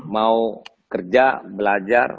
mau kerja belajar